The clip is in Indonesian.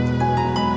aku harus kerja lagi